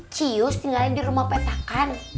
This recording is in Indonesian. cius tinggalin di rumah petakan